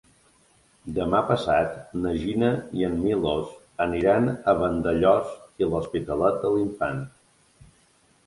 Demà passat na Gina i en Milos aniran a Vandellòs i l'Hospitalet de l'Infant.